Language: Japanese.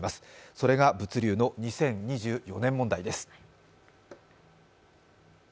それが物流の２０２４年問題です。